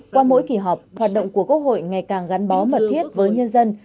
qua mỗi kỳ họp hoạt động của quốc hội ngày càng gắn bó mật thiết với nhân dân